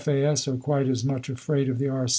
A.S. are quite as much afraid of the R.C.'